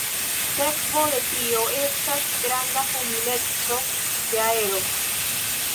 Sekvo de tio estas granda humideco de aero.